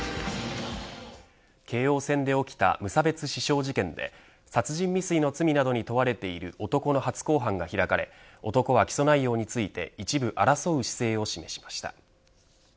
京王線で起きた無差別刺傷事件で殺人未遂の罪などに問われている男の初公判が開かれ男は起訴内容について一部争う姿勢を示しました。